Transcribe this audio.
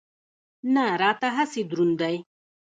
نه راته هسې دروند دی.